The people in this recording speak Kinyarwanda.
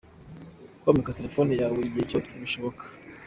Comeka telefone yawe igihe cyose bishoboka.